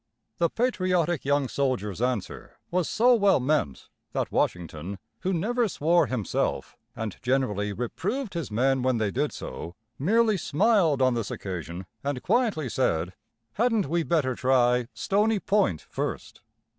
The patriotic young soldier's answer was so well meant that Washington, who never swore himself, and generally reproved his men when they did so, merely smiled on this occasion, and quietly said: "Hadn't we better try Stony Point first?"